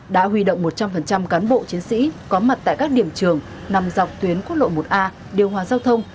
đã huy động một trăm linh cán bộ chiến sĩ có mặt tại các điểm trường nằm dọc tuyến quốc lộ một a điều hòa giao thông